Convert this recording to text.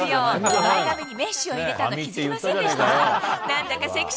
前髪にメッシュを入れたの気付きませんでした？